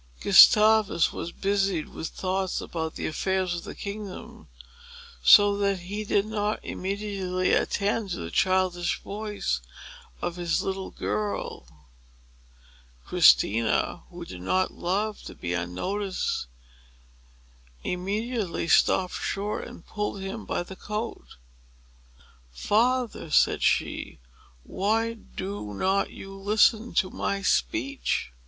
Gustavus was busied with thoughts about the affairs of the kingdom, so that he did not immediately attend to the childish voice of his little girl. Christina, who did not love to be unnoticed, immediately stopped short, and pulled him by the coat. "Father," said she, "why do not you listen to my speech?"